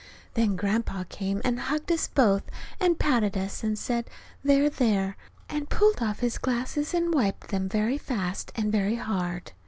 Then Grandpa came and hugged us both, and patted us, and said, "There, there!" and pulled off his glasses and wiped them very fast and very hard.